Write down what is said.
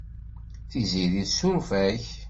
Tiziri tessuref-ak.